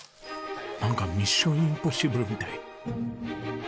なんか『ミッション：インポッシブル』みたい。